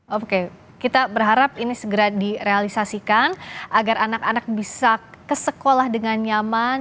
oke kita berharap ini segera direalisasikan agar anak anak bisa ke sekolah dengan nyaman